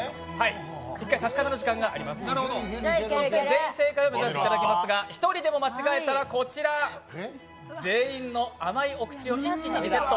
１回確かめの時間があります、全員正解を目指していただきますが１人でも間違えたらこちら、全員の甘いお口を一気にリセット。